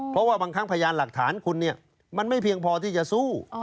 เพราะว่าบางครั้งพยานหลักฐานคุณเนี่ยมันไม่เพียงพอที่จะสู้